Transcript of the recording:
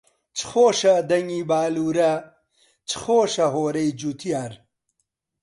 چ خۆشە دەنگی باللۆرە، چ خۆشە هۆوەرەی جوتیار